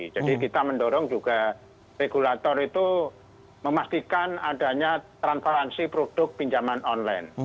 jadi kita mendorong juga regulator itu memastikan adanya transparansi produk pinjaman online